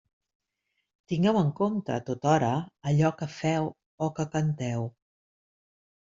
Tingueu en compte a tota hora allò que feu o que canteu.